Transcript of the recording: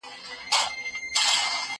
که باران وسي، زه به پاته سم!.